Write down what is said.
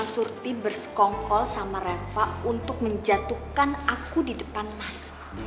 surti bersekongkol sama reva untuk menjatuhkan aku di depan mas